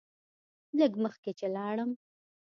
لږ مخکې چې لاړم.